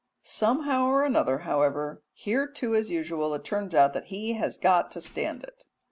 Somehow or another, however, here too as usual it turns out that he has got to stand it.